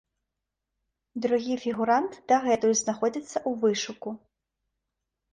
Другі фігурант дагэтуль знаходзіцца ў вышуку.